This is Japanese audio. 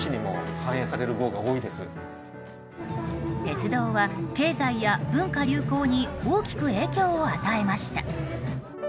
鉄道は経済や文化流行に大きく影響を与えました。